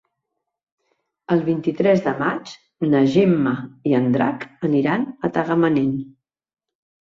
El vint-i-tres de maig na Gemma i en Drac aniran a Tagamanent.